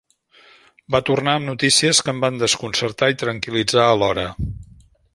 Va tornar amb notícies que em van desconcertar i tranquil·litzar alhora.